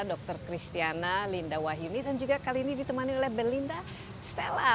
dr cristiana linda wahyuni dan juga kali ini ditemani oleh belinda stella